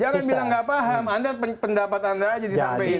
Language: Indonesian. jangan bilang nggak paham anda pendapat anda aja disampaikan